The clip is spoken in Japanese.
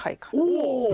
お。